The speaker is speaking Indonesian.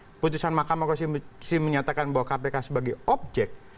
ketika keputusan mahkamah konstitusi menyatakan bahwa kpk sebagai obyek